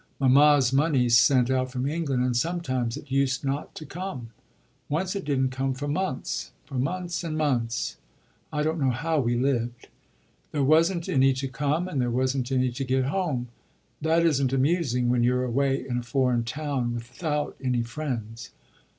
Mamma's money's sent out from England and sometimes it usedn't to come. Once it didn't come for months for months and months. I don't know how we lived. There wasn't any to come; there wasn't any to get home. That isn't amusing when you're away in a foreign town without any friends.